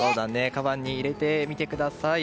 かばんに入れてみてください。